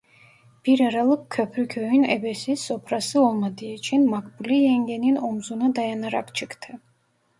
Bir aralık Köprüköy'ün ebesi, sopası olmadığı için, Makbule yengenin omzuna dayanarak çıktı.